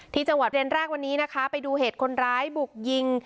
ที่จังหวัดเรียนแรกวันนี้นะคะไปดูเหตุคนร้ายบุกยิง